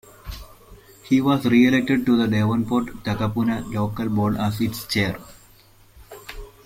He was re-elected to the Devonport-Takapuna Local Board as its Chair.